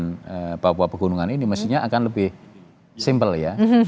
kawasan papua pegunungan ini mestinya akan lebih simpel ya